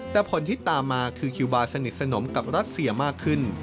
แต่ผลที่ตามมาคือคิวบาร์สนิทสนมกับรัสเซียมากขึ้น